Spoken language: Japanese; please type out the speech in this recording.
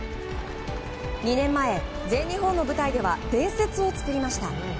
２年前、全日本の舞台では伝説を作りました。